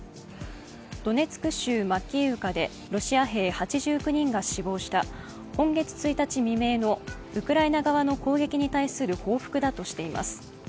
ドネツク州マキーウカでロシア兵８９人が死亡した今月１日未明のウクライナ側の攻撃に対する報復だとしています。